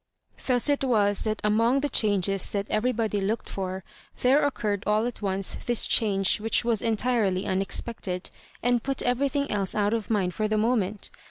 Thus it was that among the changes that everybody looked for, there occurred all at once this change which yj^a entirely unexpected, and put everything else out of mind for the moment.